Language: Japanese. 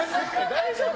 大丈夫？